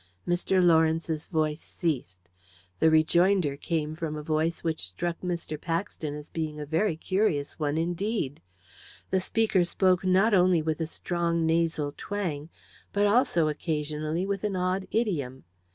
Mr. Lawrence's voice ceased. The rejoinder came from a voice which struck Mr. Paxton as being a very curious one indeed. The speaker spoke not only with a strong nasal twang, but also, occasionally, with an odd idiom.